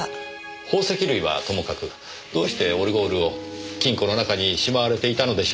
宝石類はともかくどうしてオルゴールを金庫の中にしまわれていたのでしょう？